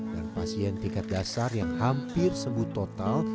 dan pasien tingkat dasar yang hampir sembuh total